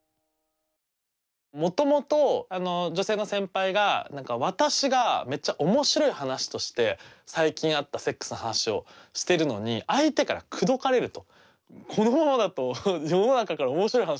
もともと女性の先輩が「私がめっちゃ面白い話として最近あったセックスの話をしてるのに相手から口説かれる」と。